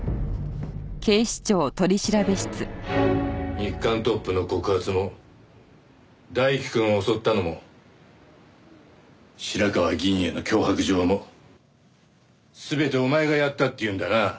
日刊トップの告発も大樹くんを襲ったのも白河議員への脅迫状も全てお前がやったって言うんだな？